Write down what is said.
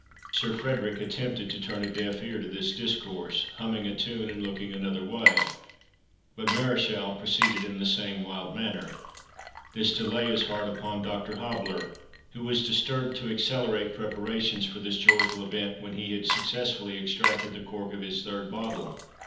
Sir Frederick attempted to turn a deaf ear to this discourse, humming a tune, and looking another may, but Mareschal proceeded in the same wild manner. "This delay is hard upon Dr. Hobbler, who was disturbed to accelerate preparations for this joyful event when he had successfully extracted the cork of his third bottle.